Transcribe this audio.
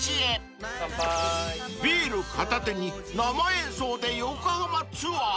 ［ビール片手に生演奏で横浜ツアー？］